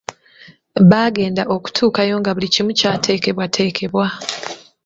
Baagenda okutuukayo nga buli kimu kyatekebwatekebwa.